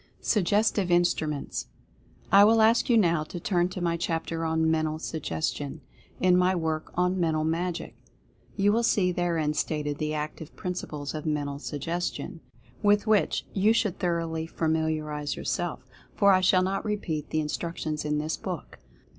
SUGGESTIVE INSTRUMENTS. I will ask you now to turn to my chapter on "Men tal Suggestion," in my work on "Mental Magic." You will see therein stated the active principles of Mental Suggestion, with which you should thoroughly familiarize yourself, for I shall not repeat the instruc tions in this book.